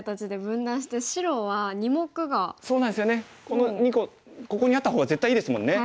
この２個ここにあった方が絶対いいですもんね。